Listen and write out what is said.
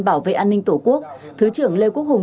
bảo vệ an ninh tổ quốc thứ trưởng lê quốc hùng